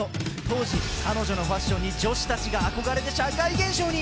当時、彼女のファッションに女子たちが憧れて社会現象に！